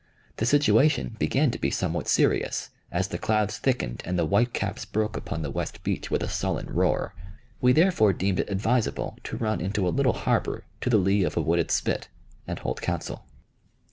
The situation began to be somewhat serious, as the clouds thickened and the white caps broke upon the west beach with a sullen roar. We therefore deemed it advisable to run into a little harbor to the lee of a wooded spit, and hold council.